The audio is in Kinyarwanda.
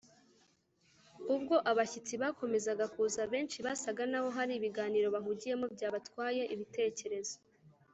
Ubwo abashyitsi bakomezaga kuza, benshi basaga naho hari ibiganiro bahugiyemo byabatwaye ibitekerezo